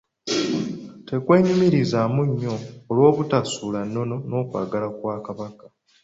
Tukwenyumirizaamu nnyo olw'obutasuula nnono n'okwagala Kabaka.